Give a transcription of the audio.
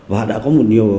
và đã có một nhiều